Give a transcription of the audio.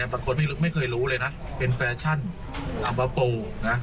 บางคนไม่เคยรู้เลยเป็นแฟชั่นอัมพาโปร